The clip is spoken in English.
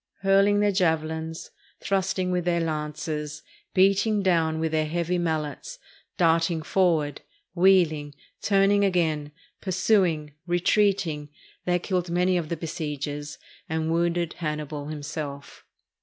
Hurling their javelins, thrusting with their lances, beating down with their heavy mallets, darting forward, wheeling, turning again, pursuing, retreating, they killed many of the besiegers, and wounded Hannibal himself.